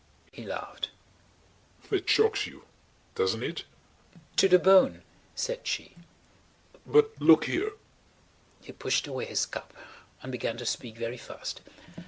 He laughed. "That shocks you. Doesn't it?" "To the bone," said she. "But–look here–" He pushed away his cup [Page 149] and began to speak very fast.